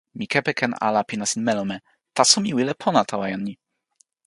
mi kepeken ala pi nasin melome, taso mi wile pona tawa jan ni.